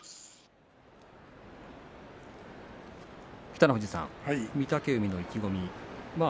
北の富士さん御嶽海の意気込み。